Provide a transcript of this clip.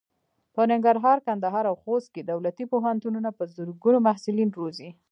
په ننګرهار، کندهار او خوست کې دولتي پوهنتونونه په زرګونو محصلین روزي.